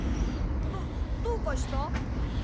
どどうかした？